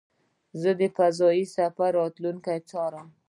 زه د فضایي سفر راتلونکی څارم.